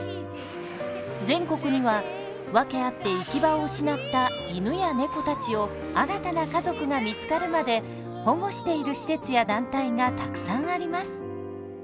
全国には訳あって行き場を失った犬や猫たちを新たな家族が見つかるまで保護している施設や団体がたくさんあります。